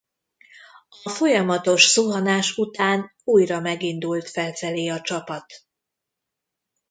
A folyamatos zuhanás után újra megindult felfelé a csapat.